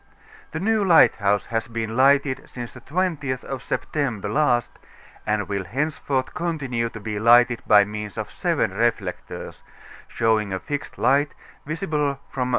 The new lighthouse h^ been lighted since the 20th of September last, and will henceforth continue to be lighted by means of seven reflectors, showing a fixed light, visible from N.